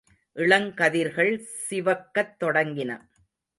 இளங்கதிர்கள் சிவக்கத் தொடங்கின.